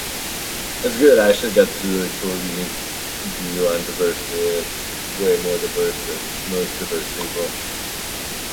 There are some products in the marketplace that provide this integration natively.